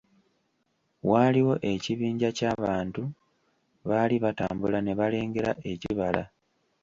Waaliwo ekibinja kya bantu, baali batambula ne balengera ekibala.